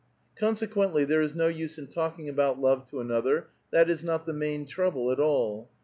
Consequently there is no use in talking about love to another ; that is not the main trouble at all.